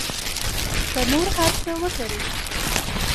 که نور هر څه وکري.